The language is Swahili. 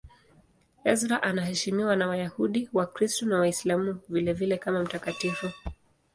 Ezra anaheshimiwa na Wayahudi, Wakristo na Waislamu vilevile kama mtakatifu.